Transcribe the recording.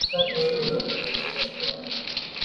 Kilimo cha viazi lishe hupunguza janga la njaa